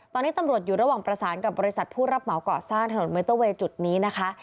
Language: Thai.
ตอนนี้ตำรวจอยู่ระหว่างประสานกับบริษัทผู้รับเหมาก่อสร้างถนนมอเตอร์เวย์จุดนี้นะคะ